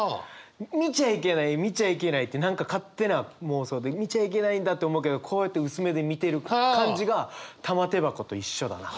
見ちゃいけない見ちゃいけないって何か勝手な妄想で見ちゃいけないんだって思うけどこうやって薄目で見てる感じが玉手箱と一緒だなと。